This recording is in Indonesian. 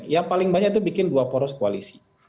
yang paling banyak itu bikin dua poros koalisi